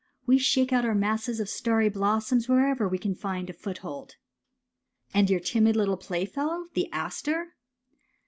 We shake out our masses of starry blossoms wherever we can find a foothold. ''And your timid little playfellow, the aster?